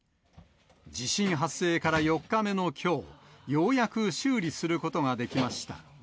地震発生から４日目のきょう、ようやく修理することができました。